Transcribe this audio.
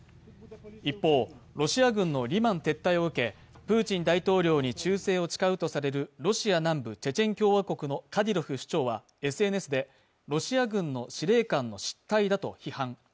一方、ロシア軍のリマン撤退を受けプーチン大統領に忠誠を誓うとされるロシア南部チェチェン共和国のカディロフ首長はＳＮＳで、ロシア軍の司令官の失態だと批判。